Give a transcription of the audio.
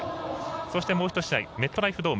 そして、もうひと試合メットライフドーム。